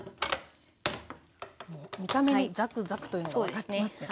見た目にザクザクというのが分かってますね。